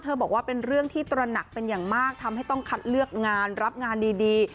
บอกว่าเป็นเรื่องที่ตระหนักเป็นอย่างมากทำให้ต้องคัดเลือกงานรับงานดี